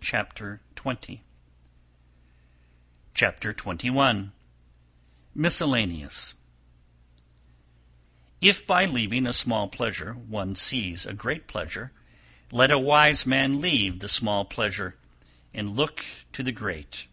Chapter XXI. Miscellaneous 290. If by leaving a small pleasure one sees a great pleasure, let a wise man leave the small pleasure, and look to the great.